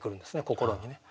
心にね。